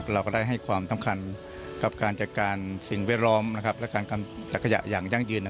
เราก็ได้ให้ความสำคัญกับการจัดการสิ่งแวดล้อมและการกำจัดขยะอย่างยั่งยืน